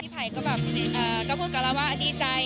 พี่ภัยก็แบบได้พูดกันว่าดีใจ